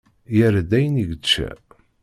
Yerra-d ayen i yečča.